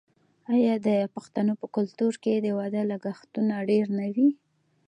آیا د پښتنو په کلتور کې د واده لګښتونه ډیر نه وي؟